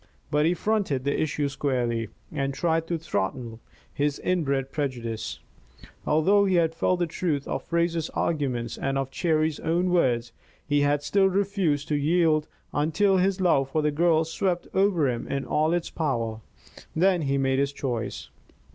But he fronted the issue squarely, and tried to throttle his inbred prejudice. Although he had felt the truth of Fraser's arguments and of Cherry's own words, he had still refused to yield until his love for the girl swept over him in all its power; then he made his choice.